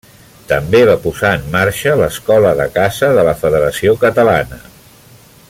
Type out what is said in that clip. També va posar en marxa l’Escola de Caça de la Federació Catalana.